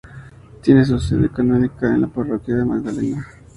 Tiene su sede canónica en la parroquia de la Magdalena.